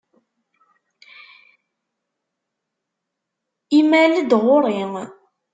Imal-d ɣur-i.